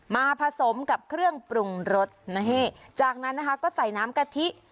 มาผสมกับเครื่องปรุงรสนี่จากนั้นนะคะก็ใส่น้ำกะทิ